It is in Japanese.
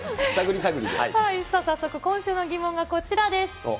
早速、今週の疑問はこちらです。